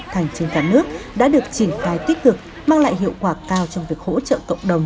thành trên cả nước đã được triển khai tích cực mang lại hiệu quả cao trong việc hỗ trợ cộng đồng